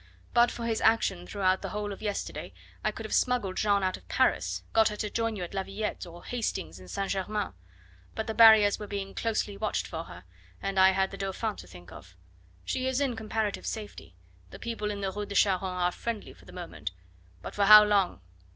But for his action throughout the whole of yesterday I could have smuggled Jeanne out of Paris, got her to join you at Villette, or Hastings in St. Germain. But the barriers were being closely watched for her, and I had the Dauphin to think of. She is in comparative safety; the people in the Rue de Charonne are friendly for the moment; but for how long?